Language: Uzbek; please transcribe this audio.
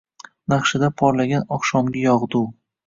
Naqshida porlagan oqshomgi yog’du!